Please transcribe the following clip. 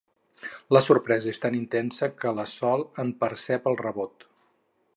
La sorpresa és tan intensa que la Sol en percep el rebot.